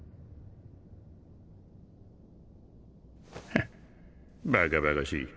ヘッバカバカしい。